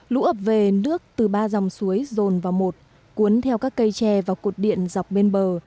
lũ ập về nước từ ba dòng suối rồn vào một cuốn theo các cây tre và cột điện dọc bên bờ